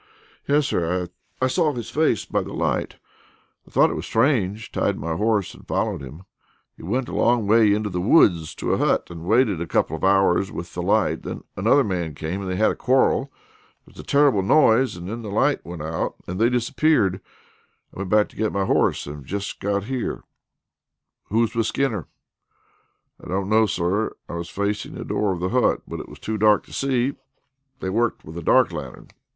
"Yes, sir; I saw his face by the light. I thought it strange, tied my horse and followed him. He went a long way into the woods to a hut, and waited a couple of hours with the light. Then another man came, and they had a quarrel. There was a terrible noise, and then the light went out and they disappeared. I went back to my horse and have just got here." "Who was with Skinner?" "I don't know, sir. I was facing the door of the hut, but it was too dark to see. They worked with a dark lantern."